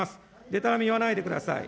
でたらめ言わないでください。